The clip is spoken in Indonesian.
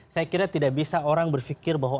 saya kira tidak bisa orang berpikir bahwa